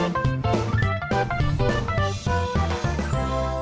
สวัสดีครับ